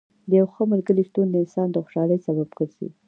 د یو ښه ملګري شتون د انسان د خوشحالۍ سبب ګرځي.